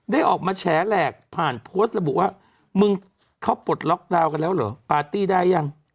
ได้ออกมาแฉแหลกผ่านโพสต์ระบุว่ามึงเขาปลดล็อกดาวน์กันแล้วเหรอปาร์ตี้ได้ยัง